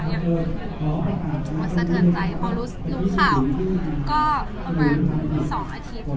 ยังสะเทินใจพอรู้รู้ข่าวก็ประมาณสองอาทิตย์